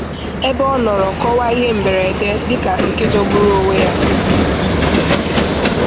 ebe ọ nọrọ wee kọwaa ihe mberede dịka nke jọgburu onwe ya